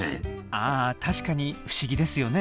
あ確かに不思議ですよね。